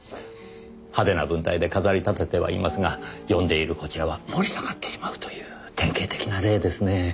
派手な文体で飾り立ててはいますが読んでいるこちらは盛り下がってしまうという典型的な例ですねぇ。